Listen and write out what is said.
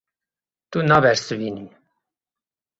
Tu nabersivînî.